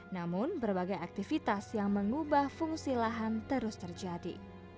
namun berbagai aktivitas yang mengubah fungsi lahan terus terjadi